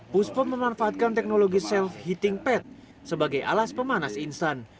puspon memanfaatkan teknologi self heating pad sebagai alas pemanas instan